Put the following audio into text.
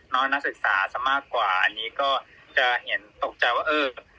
นักศึกษาซะมากกว่าอันนี้ก็จะเห็นตกใจว่าเออ